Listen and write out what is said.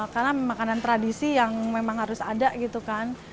karena makanan tradisi yang memang harus ada gitu kan